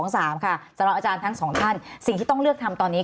สำหรับอาจารย์ทั้งสองท่านสิ่งที่ต้องเลือกทำตอนนี้